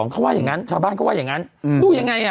เขาว่าอย่างนั้นชาวบ้านเขาว่าอย่างนั้นดูยังไงอ่ะ